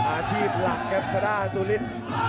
อาชีพหลักครับสุรินิท